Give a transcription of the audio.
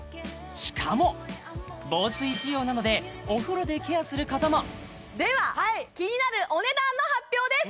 しかも防水仕様なのでお風呂でケアすることもではキニナルお値段の発表です